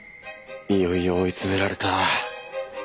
いよいよ追い詰められた。